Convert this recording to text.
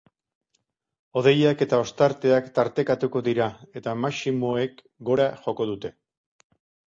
Hodeiak eta ostarteak tartekatuko dira, eta maximoek gora joko dute.